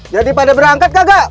jadi pada berangkat kagak